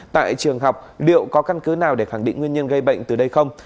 tại trường học liệu có căn cứ nào để khẳng định nguyên nhân gây bệnh từ đây không